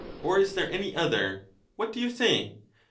or is there any other? What do you say?